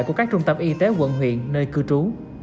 của các trung tâm y tế quận huyện nơi cư trú